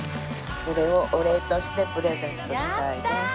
これをお礼としてプレゼントしたいです。